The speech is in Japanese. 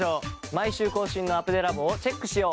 毎週更新のアプデラボをチェックしよう。